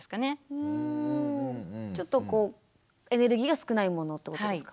ちょっとエネルギーが少ないものってことですか？